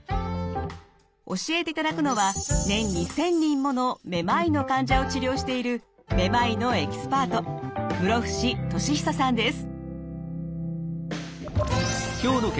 教えていただくのは年に１，０００人ものめまいの患者を治療しているめまいのエキスパート室伏利久さんです。